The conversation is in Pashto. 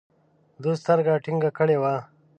ده سترګه ټينګه کړې وه.